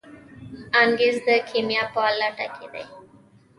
انګریز د کیمیا په لټه کې دی.